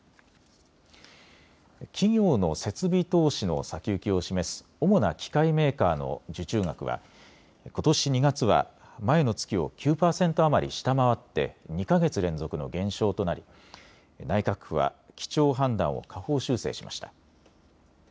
企業の設備投資の先行きを示す主な機械メーカーの受注額はことし２月は前の月を９％余り下回って２か月連続の減少となり内閣府は基調判断を下方修正しました。